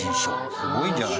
すごいんじゃない？